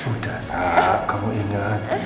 udah sab kamu ingat